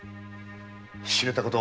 知れたこと。